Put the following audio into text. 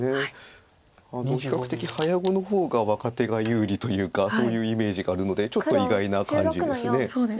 比較的早碁の方が若手が有利というかそういうイメージがあるのでちょっと意外な感じです。